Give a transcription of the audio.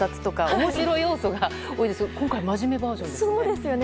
面白い要素が多いんですが今回は真面目バージョンですね。